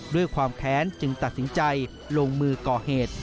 ด้วยความแค้นจึงตัดสินใจลงมือก่อเหตุ